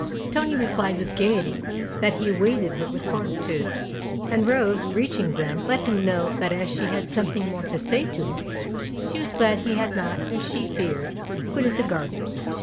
Tony replied with gaiety that he awaited her with fortitude, and Rose, reaching them, let him know that as she had something more to say to him she was glad he had not, as she feared, quitted the garden.